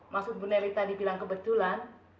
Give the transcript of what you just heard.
maksud bu neri tadi bilang kebetulan